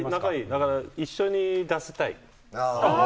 だから一緒に出したい。